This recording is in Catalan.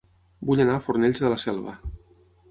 Vull anar a Fornells de la Selva